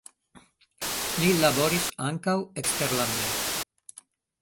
Li laboris ankaŭ eksterlande.